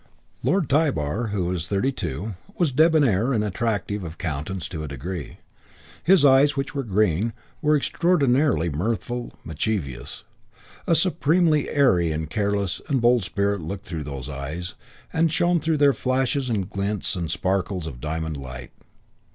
Lord Tybar, who was thirty two, was debonair and attractive of countenance to a degree. His eyes, which were grey, were extraordinarily mirthful, mischievous. A supremely airy and careless and bold spirit looked through those eyes and shone through their flashes and glints and sparkles of diamond light.